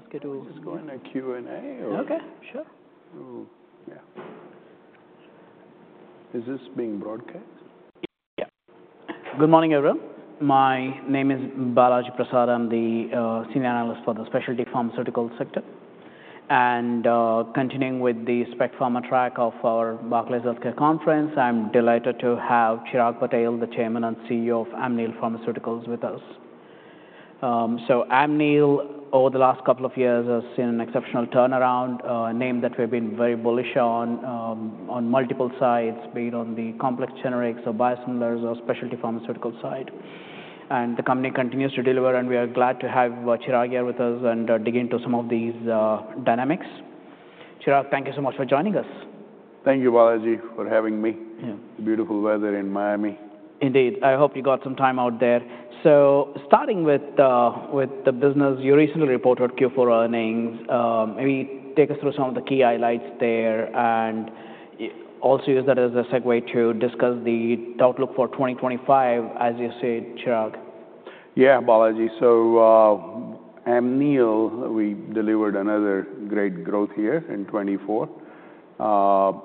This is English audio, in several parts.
Task, could you just go in a Q&A or? Okay, sure. Oh, yeah. Is this being broadcast? Yeah. Good morning, everyone. My name is Balaji Prasad. I'm the Senior Analyst for the Specialty Pharmaceuticals sector. Continuing with the Spec Pharma track of our Barclays Healthcare Conference, I'm delighted to have Chirag Patel, the Chairman and CEO of Amneal Pharmaceuticals, with us. Amneal, over the last couple of years, has seen an exceptional turnaround, a name that we've been very bullish on on multiple sides, be it on the complex generics or biosimilars or specialty pharmaceutical side. The company continues to deliver, and we are glad to have Chirag here with us and dig into some of these dynamics. Chirag, thank you so much for joining us. Thank you, Balaji, for having me. Yeah. The beautiful weather in Miami. Indeed. I hope you got some time out there. Starting with the business, you recently reported Q4 earnings. Maybe take us through some of the key highlights there and also use that as a segue to discuss the outlook for 2025, as you said, Chirag. Yeah, Balaji. Amneal, we delivered another great growth year in 2024,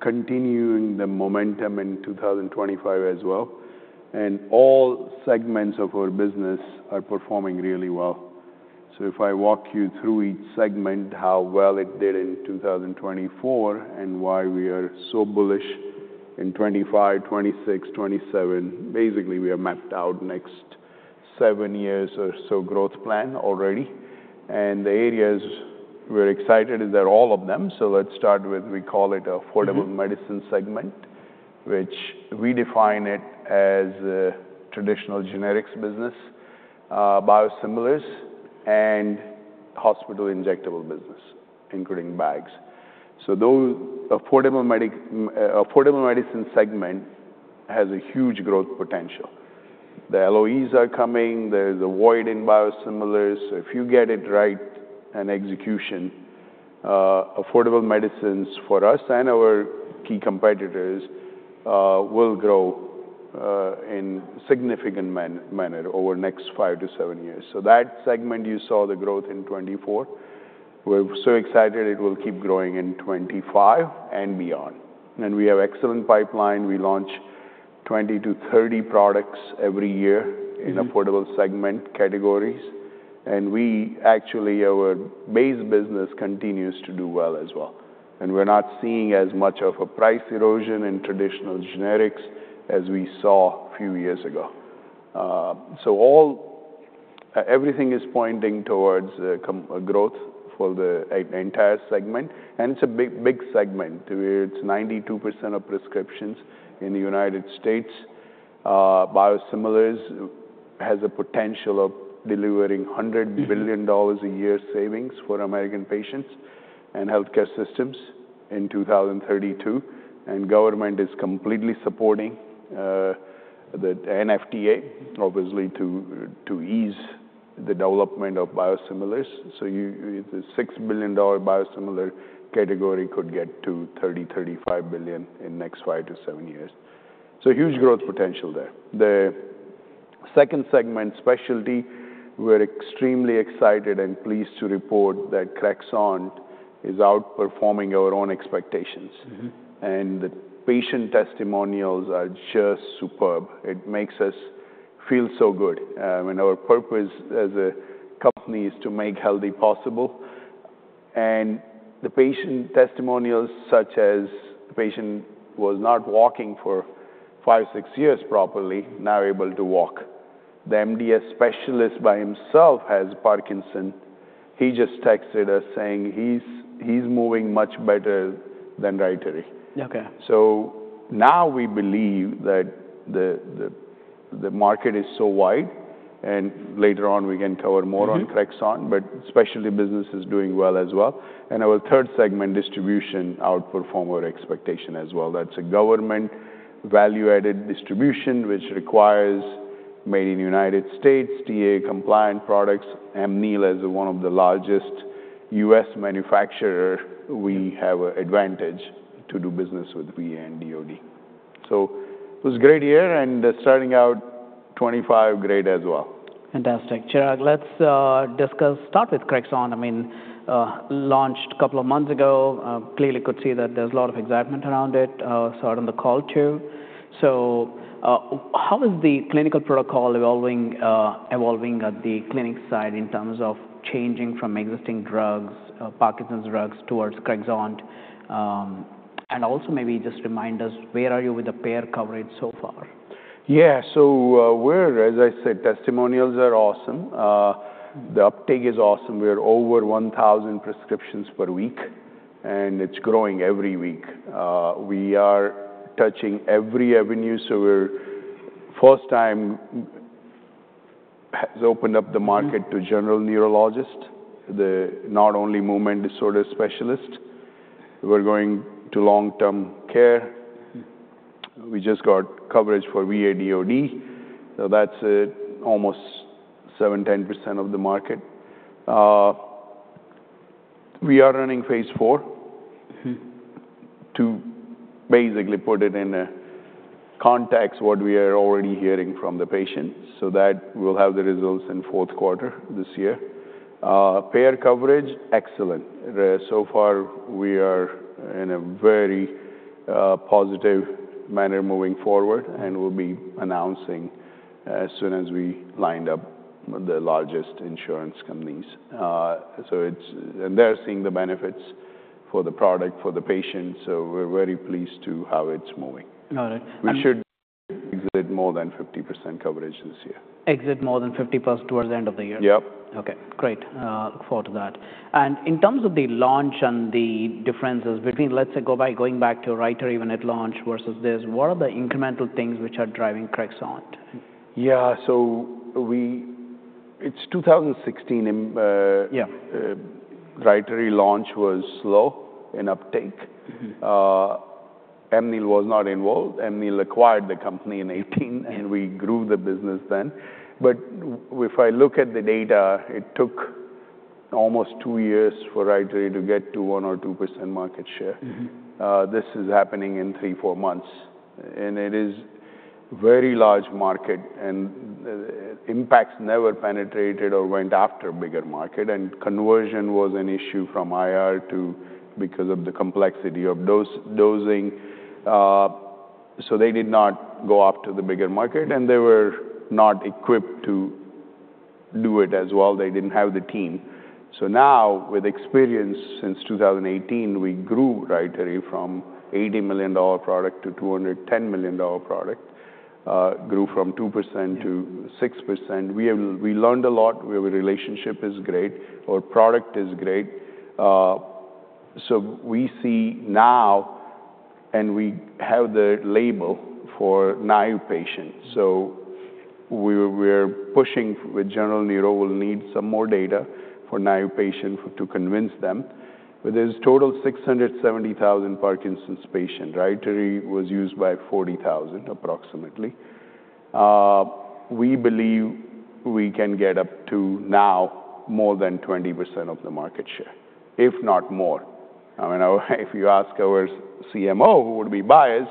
continuing the momentum in 2025 as well. All segments of our business are performing really well. If I walk you through each segment, how well it did in 2024 and why we are so bullish in 2025, 2026, 2027, basically, we have mapped out next seven years or so growth plan already. The areas we're excited about are all of them. Let's start with, we call it affordable medicine segment, which we define as a traditional generics business, biosimilars, and hospital injectable business, including bags. The affordable medicine segment has a huge growth potential. The LOEs are coming. There's a void in biosimilars. If you get it right and execution, affordable medicines for us and our key competitors will grow in a significant manner over the next five to seven years. That segment you saw the growth in 2024, we're so excited it will keep growing in 2025 and beyond. We have an excellent pipeline. We launch 20-30 products every year in affordable segment categories. We actually, our base business continues to do well as well. We're not seeing as much of a price erosion in traditional generics as we saw a few years ago. Everything is pointing towards growth for the entire segment. It's a big segment. It's 92% of prescriptions in the United States. Biosimilars has a potential of delivering $100 billion a year savings for American patients and healthcare systems in 2032. Government is completely supporting the FDA, obviously, to ease the development of biosimilars. The $6 billion biosimilar category could get to $30 billion-$35 billion in the next five to seven years. Huge growth potential there. The second segment, specialty, we're extremely excited and pleased to report that Crexont is outperforming our own expectations. The patient testimonials are just superb. It makes us feel so good. I mean, our purpose as a company is to make healthy possible. The patient testimonials, such as the patient was not walking for five, six years properly, now able to walk. The MDS specialist by himself has Parkinson's. He just texted us saying he's moving much better than Rytary. Okay. We believe that the market is so wide. Later on, we can cover more on Crexont, but specialty business is doing well as well. Our third segment, distribution, outperformed our expectation as well. That is government value-added distribution, which requires made in the United States, TAA-compliant products. Amneal, as one of the largest US manufacturers, we have an advantage to do business with VA and DOD. It was great here. Starting out 2025, great as well. Fantastic. Chirag, let's discuss, start with Crexont. I mean, launched a couple of months ago. Clearly, could see that there's a lot of excitement around it. I am on the call too. How is the clinical protocol evolving at the clinic side in terms of changing from existing drugs, Parkinson's drugs, towards Crexont? Also, maybe just remind us, where are you with the payer coverage so far? Yeah, so we're, as I said, testimonials are awesome. The uptake is awesome. We are over 1,000 prescriptions per week, and it's growing every week. We are touching every avenue. We're first time has opened up the market to general neurologist, not only movement disorder specialist. We're going to long-term care. We just got coverage for VA, DOD. That's almost 7%-10% of the market. We are running Phase IV to basically put it in context what we are already hearing from the patient so that we'll have the results in fourth quarter this year. Payer coverage, excellent. So far, we are in a very positive manner moving forward, and we'll be announcing as soon as we line up with the largest insurance companies. They're seeing the benefits for the product for the patient. We're very pleased to how it's moving. Got it. We should exit more than 50% coverage this year. Exit more than 50% towards the end of the year. Yep. Okay, great. Look forward to that. In terms of the launch and the differences between, let's say, going back to Rytary when it launched versus this, what are the incremental things which are driving Crexont? Yeah, so we, it's 2016. Yeah. Rytary launch was slow in uptake. Amneal was not involved. Amneal acquired the company in 2018, and we grew the business then. If I look at the data, it took almost two years for Rytary to get to 1% or 2% market share. This is happening in three, four months. It is a very large market, and Impax never penetrated or went after a bigger market. Conversion was an issue from IR to because of the complexity of dosing. They did not go after the bigger market, and they were not equipped to do it as well. They did not have the team. Now, with experience since 2018, we grew Rytary from $80 million product to $210 million product, grew from 2% to 6%. We learned a lot. We have a relationship that is great. Our product is great. We see now, and we have the label for naïve patients. We are pushing with general neuro, we will need some more data for naïve patients to convince them. There is a total of 670,000 Parkinson's patients. Rytary was used by 40,000, approximately. We believe we can get up to now more than 20% of the market share, if not more. I mean, if you ask our CMO, who would be biased,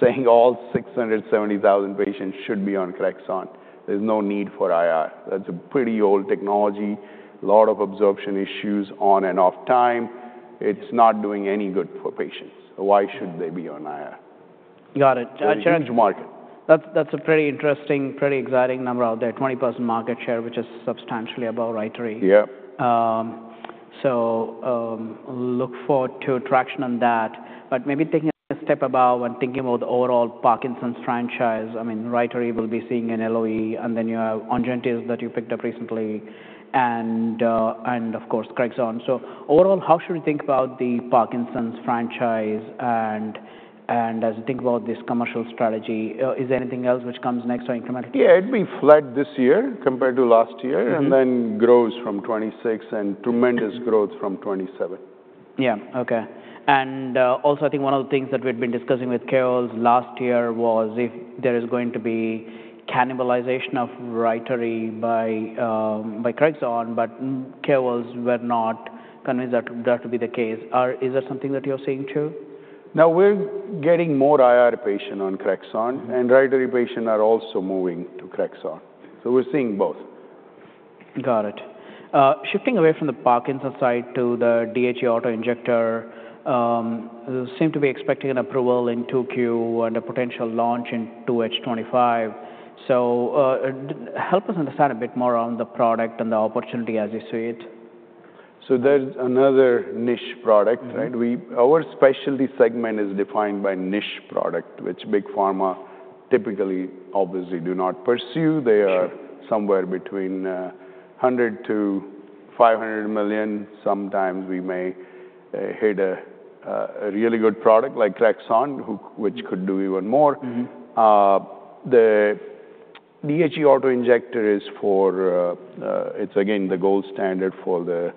saying all 670,000 patients should be on Crexont, there is no need for IR. That is a pretty old technology, a lot of absorption issues on and off time. It is not doing any good for patients. Why should they be on IR? Got it. Huge market. That's a pretty interesting, pretty exciting number out there, 20% market share, which is substantially above Rytary. Yeah. Look forward to traction on that. Maybe taking a step above and thinking about the overall Parkinson's franchise. I mean, Rytary will be seeing an LOE, and then you have Inbrija that you picked up recently, and of course, Crexont. Overall, how should we think about the Parkinson's franchise? As we think about this commercial strategy, is there anything else which comes next or incremental? Yeah, it'd be flat this year compared to last year, and then grows from 2026 and tremendous growth from 2027. Yeah, okay. I think one of the things that we've been discussing with KOLs last year was if there is going to be cannibalization of Rytary by Crexont, but KOLs were not convinced that would be the case. Is that something that you're seeing too? Now we're getting more IR patients on Crexont, and Rytary patients are also moving to Crexont. So we're seeing both. Got it. Shifting away from the Parkinson's side to the DHE Auto-Injector, seem to be expecting an approval in 2Q and a potential launch in 2H 2025. Help us understand a bit more on the product and the opportunity as you see it. There's another niche product, right? Our specialty segment is defined by niche product, which big pharma typically, obviously, do not pursue. They are somewhere between $100 million-$500 million. Sometimes we may hit a really good product like Crexont, which could do even more. The DHE auto injector is for, it's again the gold standard for the.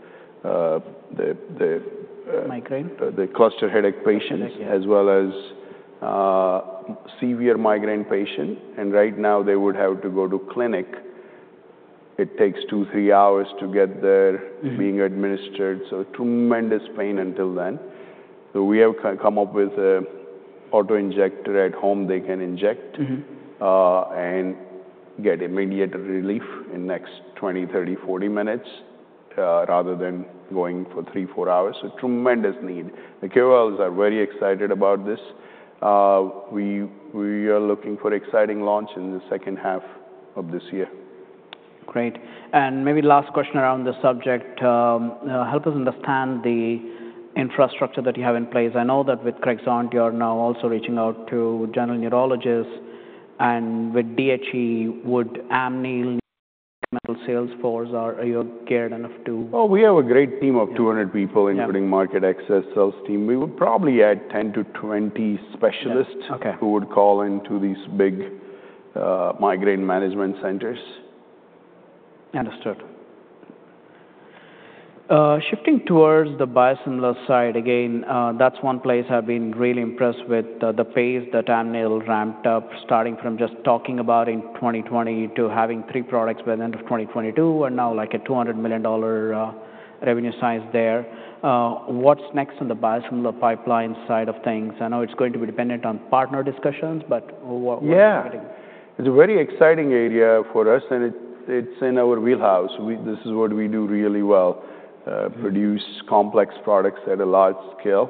Migraine? The cluster headache patients, as well as severe migraine patients. Right now, they would have to go to clinic. It takes two, three hours to get there being administered. Tremendous pain until then. We have come up with an auto injector at home they can inject and get immediate relief in the next 20, 30, 40 minutes rather than going for three, four hours. Tremendous need. The KOLs are very excited about this. We are looking for an exciting launch in the second half of this year. Great. Maybe last question around the subject. Help us understand the infrastructure that you have in place. I know that with Crexont, you're now also reaching out to general neurologists. With DHE, would Amneal sales force, are you geared enough to? Oh, we have a great team of 200 people, including market access, sales team. We would probably add 10-20 specialists who would call into these big migraine management centers. Understood. Shifting towards the biosimilar side, again, that's one place I've been really impressed with the pace that Amneal ramped up, starting from just talking about in 2020 to having three products by the end of 2022 and now like a $200 million revenue size there. What's next on the biosimilar pipeline side of things? I know it's going to be dependent on partner discussions, but what's happening? Yeah, it's a very exciting area for us, and it's in our wheelhouse. This is what we do really well, produce complex products at a large scale.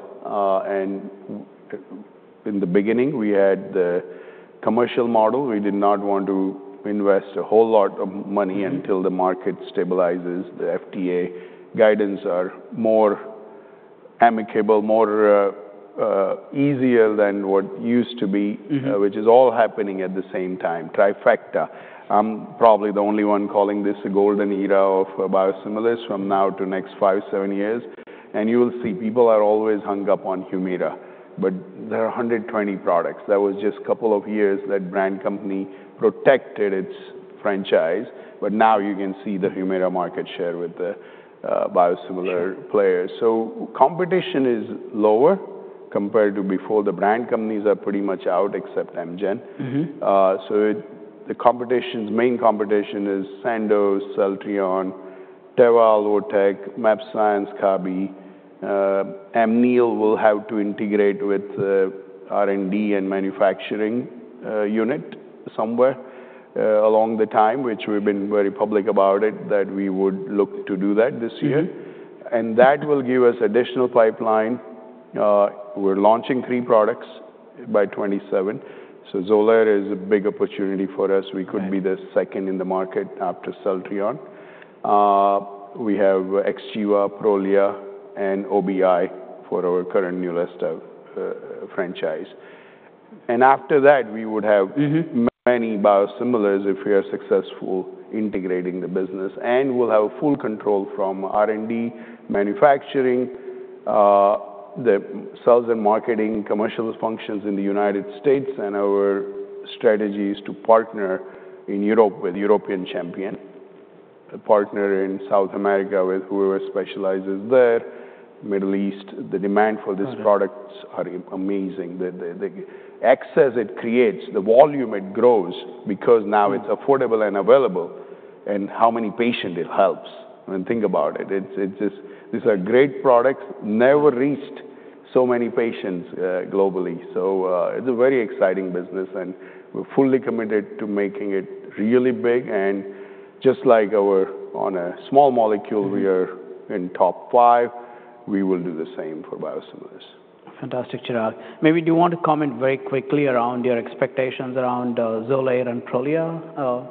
In the beginning, we had the commercial model. We did not want to invest a whole lot of money until the market stabilizes. The FDA guidance is more amicable, more easier than what used to be, which is all happening at the same time, trifecta. I'm probably the only one calling this a golden era of biosimilars from now to next five, seven years. You will see people are always hung up on Humira. There are 120 products. That was just a couple of years that brand company protected its franchise. Now you can see the Humira market share with the biosimilar players. Competition is lower compared to before. The brand companies are pretty much out except Amgen. The competition's main competition is Sandoz, Celltrion, Teva, Alvotech, mAbxience, Kabi. Amneal will have to integrate with R&D and manufacturing unit somewhere along the time, which we've been very public about it that we would look to do that this year. That will give us additional pipeline. We're launching three products by 2027. Xolair is a big opportunity for us. We could be the second in the market after Celltrion. We have Xgeva, Prolia, and OBI for our current Neulasta franchise. After that, we would have many biosimilars if we are successful integrating the business. We'll have full control from R&D, manufacturing, the sales and marketing, commercial functions in the United States. Our strategy is to partner in Europe with European champion, partner in South America with whoever specializes there. Middle East, the demand for these products is amazing. The excess it creates, the volume it grows because now it's affordable and available. And how many patients it helps. I mean, think about it. These are great products, never reached so many patients globally. So it's a very exciting business, and we're fully committed to making it really big. And just like our on a small molecule, we are in top five. We will do the same for biosimilars. Fantastic, Chirag. Maybe do you want to comment very quickly around your expectations around Xolair and Prolia?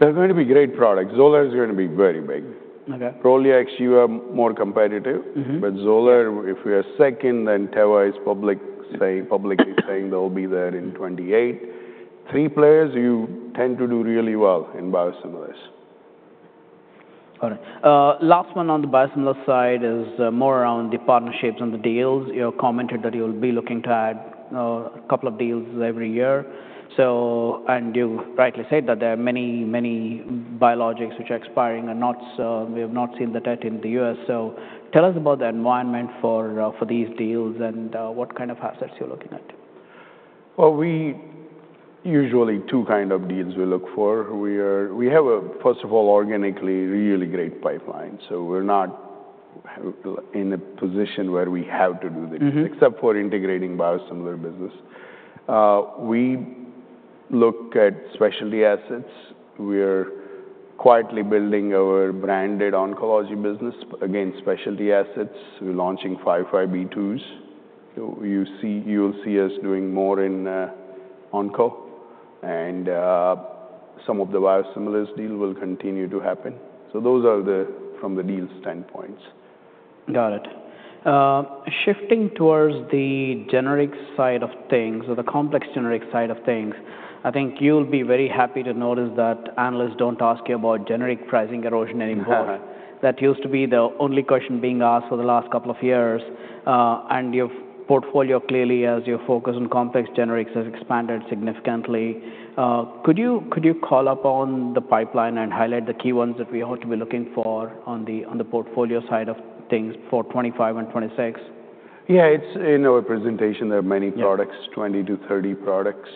They're going to be great products. Xolair is going to be very big. Prolia, Xgeva are more competitive. Xolair, if we are second, then Teva is publicly saying they'll be there in 2028. Three players you tend to do really well in biosimilars. Got it. Last one on the biosimilar side is more around the partnerships and the deals. You commented that you'll be looking to add a couple of deals every year. You rightly said that there are many, many biologics which are expiring and we have not seen that yet in the U.S. Tell us about the environment for these deals and what kind of assets you're looking at. We usually have two kinds of deals we look for. We have, first of all, organically really great pipelines. We are not in a position where we have to do the deal except for integrating biosimilar business. We look at specialty assets. We are quietly building our branded oncology business against specialty assets. We are launching 505(b)(2)s. You will see us doing more in onco. Some of the biosimilars deal will continue to happen. Those are from the deal standpoints. Got it. Shifting towards the generic side of things or the complex generic side of things, I think you'll be very happy to notice that analysts don't ask you about generic pricing erosion anymore. That used to be the only question being asked for the last couple of years. Your portfolio clearly, as your focus on complex generics, has expanded significantly. Could you call upon the pipeline and highlight the key ones that we ought to be looking for on the portfolio side of things for 2025 and 2026? Yeah, it's in our presentation. There are many products, 20-30 products.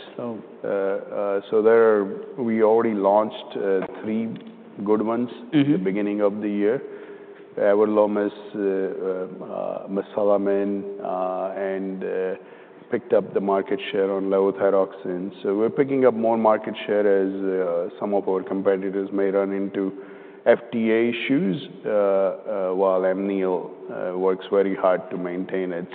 We already launched three good ones at the beginning of the year, everolimus, mesalamine, and picked up the market share on levothyroxine. We're picking up more market share as some of our competitors may run into FDA issues while Amneal works very hard to maintain its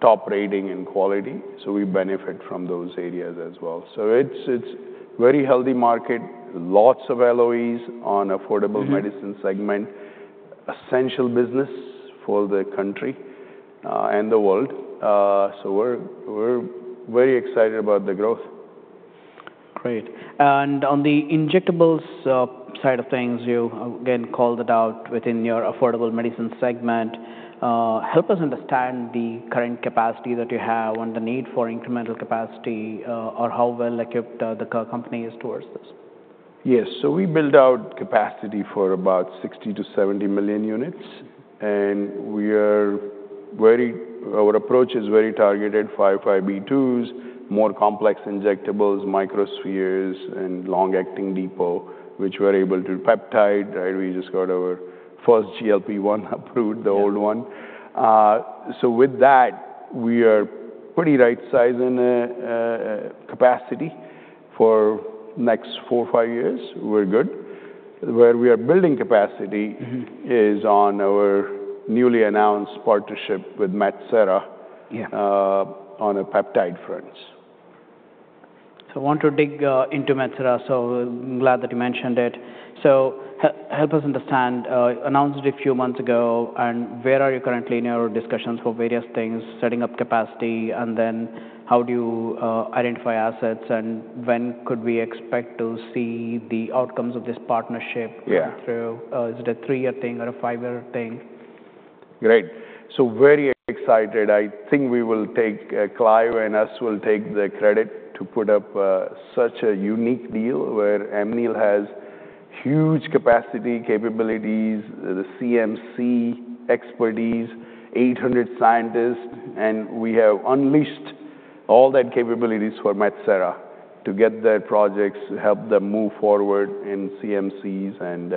top rating and quality. We benefit from those areas as well. It is a very healthy market, lots of LOEs on the affordable medicine segment, essential business for the country and the world. We're very excited about the growth. Great. On the injectables side of things, you again called it out within your affordable medicine segment. Help us understand the current capacity that you have and the need for incremental capacity or how well equipped the company is towards this. Yes. We built out capacity for about 60 million-70 million units. Our approach is very targeted, 505(b)(2)s, more complex injectables, microspheres, and long-acting depot, which we're able to peptide. We just got our first GLP-1 approved, the old one. With that, we are pretty right size in capacity for the next four, five years. We're good. Where we are building capacity is on our newly announced partnership with Metsera on a peptide fronts. I want to dig into Metsera. I'm glad that you mentioned it. Help us understand, announced it a few months ago. Where are you currently in your discussions for various things, setting up capacity, and then how do you identify assets? When could we expect to see the outcomes of this partnership? Is it a three-year thing or a five-year thing? Great. Very excited. I think Clive and us will take the credit to put up such a unique deal where Amneal has huge capacity, capabilities, the CMC expertise, 800 scientists. We have unleashed all that capability for Metsera to get their projects, help them move forward in CMCs and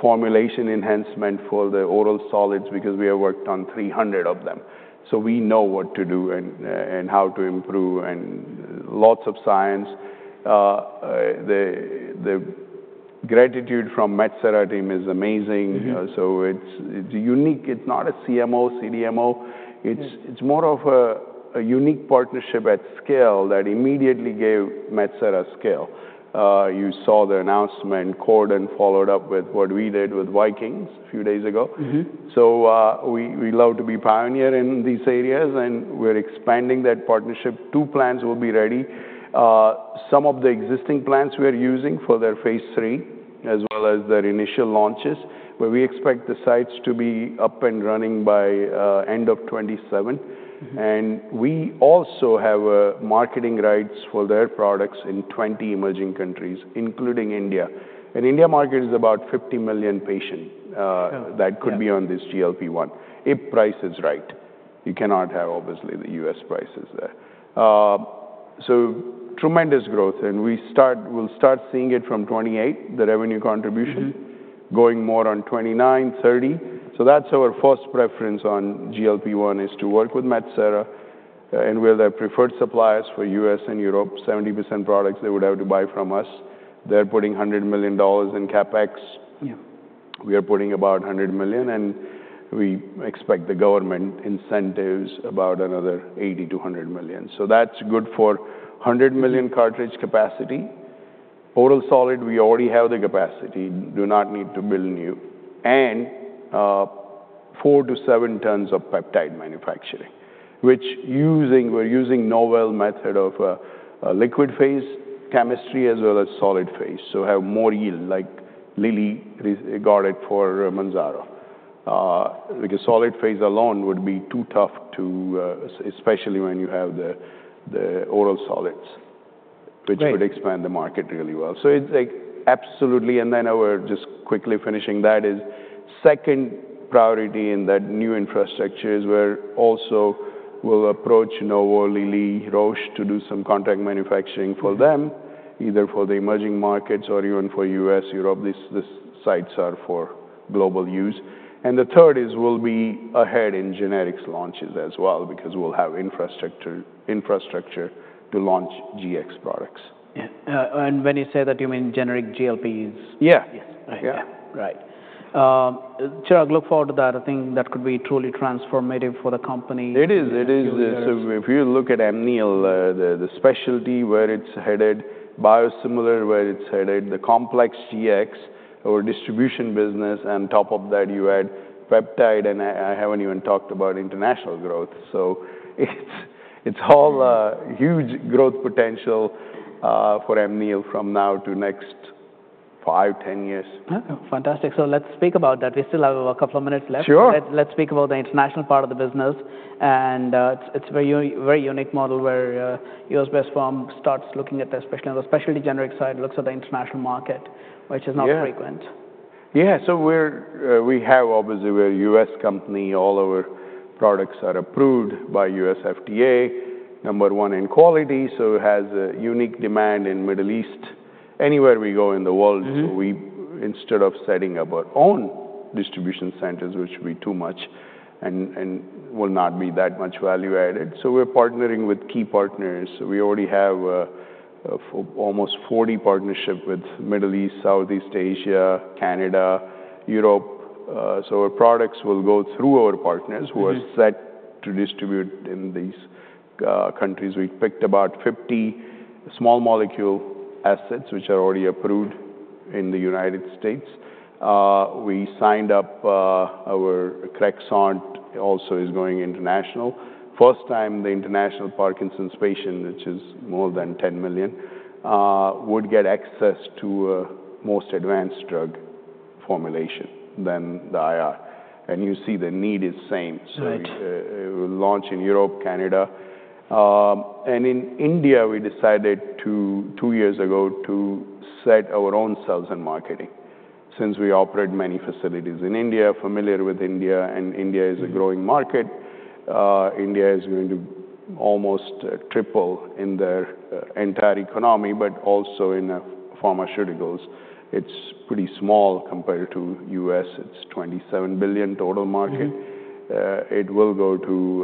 formulation enhancement for the oral solids because we have worked on 300 of them. We know what to do and how to improve and lots of science. The gratitude from the Metsera team is amazing. It is unique. It is not a CMO, CDMO. It is more of a unique partnership at scale that immediately gave Metsera scale. You saw the announcement, Corden followed up with what we did with Viking a few days ago. We love to be pioneers in these areas, and we're expanding that partnership. Two plans will be ready. Some of the existing plants we are using for their Phase III, as well as their initial launches, where we expect the sites to be up and running by end of 2027. We also have marketing rights for their products in 20 emerging countries, including India. India market is about 50 million patients that could be on this GLP-1 if price is right. You cannot have, obviously, the U.S. prices there. Tremendous growth. We will start seeing it from 2028, the revenue contribution going more on 2029, 2030. Our first preference on GLP-1 is to work with Metsera. We are their preferred suppliers for U.S. and Europe. 70% products they would have to buy from us. They are putting $100 million in CapEx. We are putting about $100 million. We expect the government incentives about another $80 million-$100 million. That's good for 100 million cartridge capacity. Oral solid, we already have the capacity. Do not need to build new. Four to seven tons of peptide manufacturing, which we're using novel method of liquid phase chemistry as well as solid phase. Have more yield like Lilly got it for Mounjaro. Because solid phase alone would be too tough, especially when you have the oral solids, which would expand the market really well. It's absolutely. I were just quickly finishing that. Second priority in that new infrastructure is where also we'll approach Novo, Lilly, Roche to do some contract manufacturing for them, either for the emerging markets or even for U.S., Europe. These sites are for global use. The third is we'll be ahead in generics launches as well because we'll have infrastructure to launch GX products. When you say that, you mean generic GLPs? Yeah. Yes. Right. Chirag, look forward to that. I think that could be truly transformative for the company. It is. It is. If you look at Amneal, the specialty where it's headed, biosimilar where it's headed, the complex GX or distribution business, and top of that you add peptide. I haven't even talked about international growth. It's all huge growth potential for Amneal from now to next five, ten years. Fantastic. Let's speak about that. We still have a couple of minutes left. Sure. Let's speak about the international part of the business. It is a very unique model where a U.S.-based firm starts looking at the specialty generic side, looks at the international market, which is not frequent. Yeah. We have obviously we're a U.S. company. All our products are approved by US FDA, number one in quality. It has a unique demand in Middle East, anywhere we go in the world. Instead of setting up our own distribution centers, which would be too much and will not be that much value added, we're partnering with key partners. We already have almost 40 partnerships with Middle East, Southeast Asia, Canada, Europe. Our products will go through our partners who are set to distribute in these countries. We picked about 50 small molecule assets, which are already approved in the United States. We signed up our Crexont also is going international. First time, the International Parkinson's Patient, which is more than 10 million, would get access to a most advanced drug formulation than the IR. You see the need is same. We'll launch in Europe, Canada. In India, we decided two years ago to set our own sales and marketing since we operate many facilities in India, familiar with India. India is a growing market. India is going to almost triple in their entire economy, but also in pharmaceuticals. It's pretty small compared to the U.S. It's a $27 billion total market. It will go to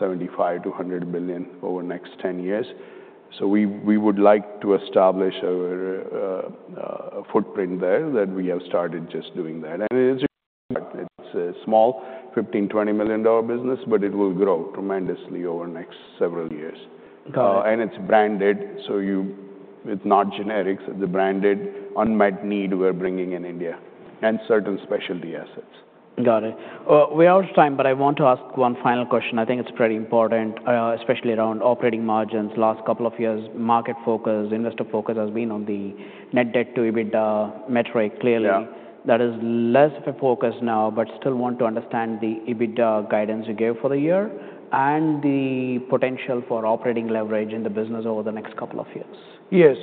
$75 billion-$100 billion over the next 10 years. We would like to establish our footprint there. We have started just doing that. It's small, $15 million-$20 million business, but it will grow tremendously over the next several years. It's branded. It's not generics. It's a branded unmet need we're bringing in India and certain specialty assets. Got it. We're out of time, but I want to ask one final question. I think it's pretty important, especially around operating margins. Last couple of years, market focus, investor focus has been on the net debt to EBITDA metric clearly. That is less of a focus now, but still want to understand the EBITDA guidance you gave for the year and the potential for operating leverage in the business over the next couple of years. Yes.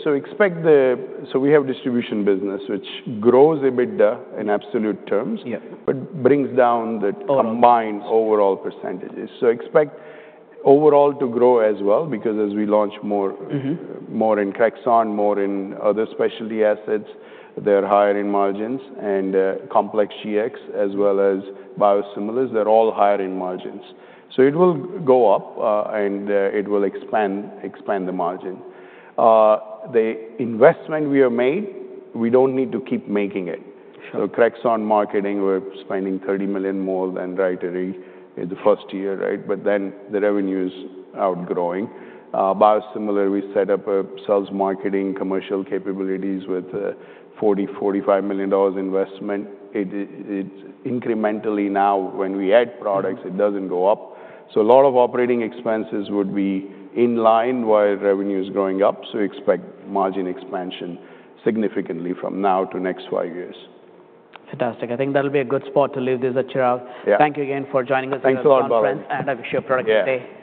We have distribution business, which grows EBITDA in absolute terms, but brings down the combined overall percentages. Expect overall to grow as well because as we launch more in Crexont, more in other specialty assets, they are higher in margins. Complex GX as well as biosimilars, they are all higher in margins. It will go up and it will expand the margin. The investment we have made, we do not need to keep making it. Crexont marketing, we are spending $30 million more than Rytary in the first year, right? Then the revenue is outgrowing. Biosimilar, we set up a sales marketing commercial capabilities with $40 milllion-$45 million investment. It is incrementally now when we add products, it does not go up. A lot of operating expenses would be in line while revenue is growing up. Expect margin expansion significantly from now to next five years. Fantastic. I think that'll be a good spot to leave this, Chirag. Thank you again for joining us. Thanks a lot, Balaji. I appreciate your product today.